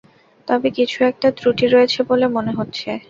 তবে কিছু একটা ত্রুটি রয়েছে বলে মনে হচ্ছে।